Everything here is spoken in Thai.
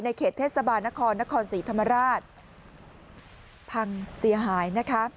เขตเทศบาลนครนครศรีธรรมราชพังเสียหายนะคะ